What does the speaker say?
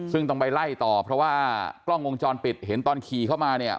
ซึ่งต้องไปไล่ต่อเพราะว่ากล้องวงจรปิดเห็นตอนขี่เข้ามาเนี่ย